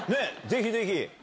ぜひぜひ。